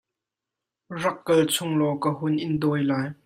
Rak kal chung law ka hun in dawi lai.